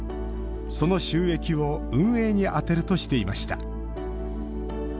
その収益を運営に充てるとしていました。